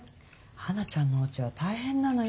花ちゃんのおうちは大変なのよ。